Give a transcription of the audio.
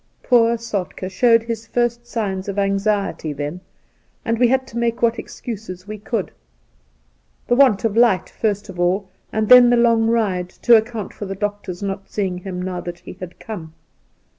Poor Soltk^ showed his first signs of anxiety then, and we had to make what excuses we could — the want of light, first of all, and then the long ride — to account for the doctor's not seeing him now that he had come.